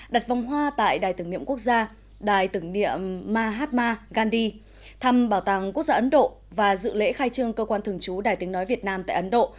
đặt vòng hoa tại đài tưởng niệm quốc gia đài tưởng niệm mahatma gandhi thăm bảo tàng quốc gia ấn độ và dự lễ khai trương cơ quan thường trú đài tiếng nói việt nam tại ấn độ